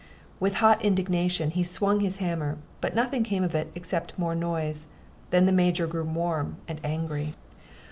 With hot indignation he swung his hammer, but nothing came of it except more noise. Then the Major grew warm and angry.